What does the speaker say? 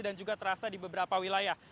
dan juga terasa di beberapa wilayah